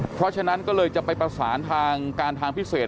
เพราะฉะนั้นก็เลยจะไปประสานทางการทางพิเศษ